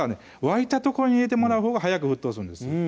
沸いたとこに入れてもらうほうが早く沸騰するんです